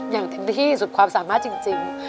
อย่างเต็มที่สุดความสามารถจริง